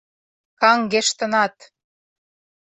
— Каҥгештынат.